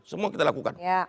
semua kita lakukan